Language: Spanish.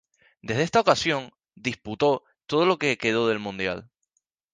Desde esa ocasión, disputó todo lo que quedó del Mundial.